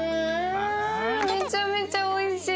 めちゃめちゃおいしい！